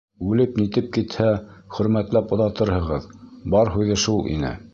Үлеп-нитеп китһә, хөрмәтләп оҙатырһығыҙ, -бар һүҙе шул ине.